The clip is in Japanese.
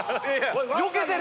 よけてる！